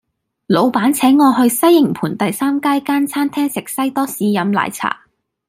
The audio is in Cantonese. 老闆請我去西營盤第三街間餐廳食西多士飲奶茶